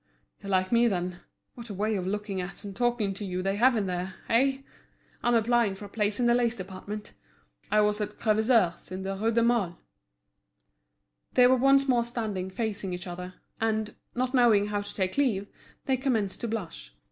"You're like me, then. What a way of looking at and talking to you they have in there—eh? I'm applying for a place in the lace department. I was at Crèvecoeur's in the Rue du Mail." They were once more standing facing each other; and, not knowing how to take leave, they commenced to blush.